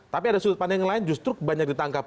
tapi ada sudut pandang yang lain justru banyak ditangkap